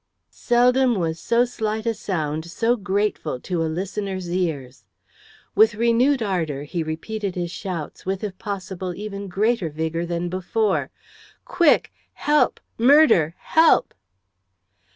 Seldom was so slight a sound so grateful to a listener's ears! With renewed ardour he repeated his shouts, with, if possible, even greater vigour than before: "Quick! Help! Murder! Help!"